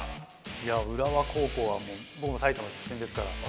いや浦和高校は僕も埼玉出身ですから。